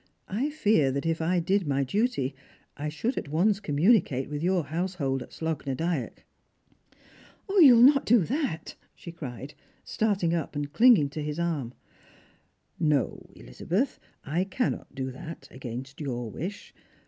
I fear that, if I did my duty, I should at once communicate with your house hold at Slogh na Dyack." " You will not do that !" she cried, starting up, and clinging to his ai'm. "No, Elizabeth, I cannot do that — against your wish.